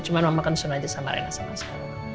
cuma mama concern aja sama rena sama sama